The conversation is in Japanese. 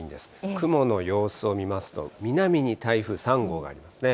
雲の様子を見ますと、南に台風３号がありますね。